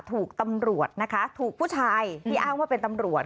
ถูกตำรวจนะคะถูกผู้ชายที่อ้างว่าเป็นตำรวจ